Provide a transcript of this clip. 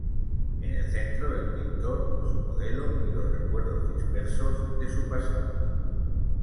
En el centro, el pintor, su modelo y los recuerdos dispersos de su pasado.